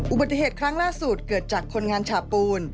อุบัติเหตุครั้งล่าสุดเกิดจากคนงานฉาปูน